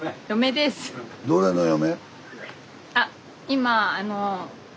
どれの嫁？